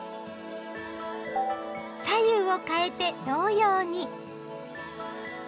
左右をかえて同様に！